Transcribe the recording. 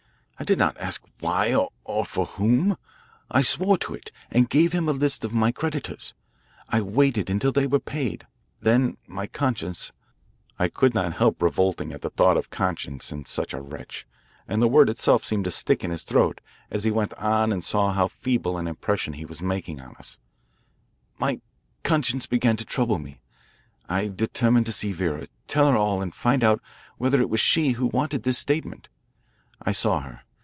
I did not ask why or for whom. I swore to it and gave him a list of my creditors. I waited until they were paid. Then my conscience " I could not help revolting at the thought of conscience in such a wretch, and the word itself seemed to stick in his throat as he went on and saw how feeble an impression he was making on us " my conscience began to trouble me. I determined to see Vera, tell her all, and find out whether it was she who wanted this statement. I saw her.